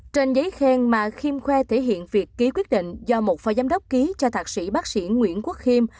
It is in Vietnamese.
trên giấy khen mà khiêm khuê thể hiện việc ký quyết định do một phó giám đốc ký cho thạc sĩ bác sĩ nguyễn quốc khiêm